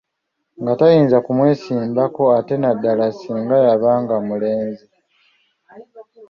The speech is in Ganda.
Nga tayinza kumwesimbako ate naddala singa yabanga omulenzi.